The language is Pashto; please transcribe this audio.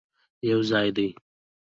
یوځای دې،